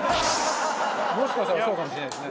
もしかしたらそうかもしれないですね。